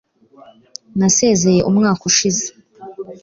Nasezeye umwaka ushize.